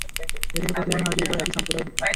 এ থেকে প্রতীয়মান হয় যে, উভয়ে একই সম্প্রদায়ভুক্ত।